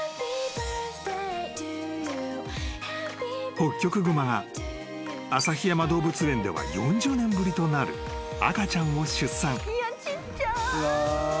［ホッキョクグマが旭山動物園では４０年ぶりとなる赤ちゃんを出産］